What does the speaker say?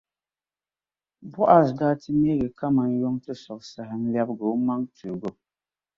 Bɔaz daa ti neei kaman yuntisuɣu saha n-lebigi omaŋ’ tuugi o.